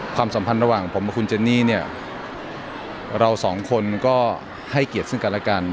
สัมพันธ์ระหว่างผมกับคุณเจนี่เนี่ยเราสองคนก็ให้เกียรติซึ่งกันและกัน